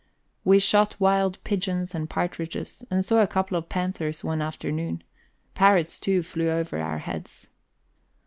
We shot wild pigeons and partridges, and saw a couple of panthers one afternoon; parrots, too, flew over our heads.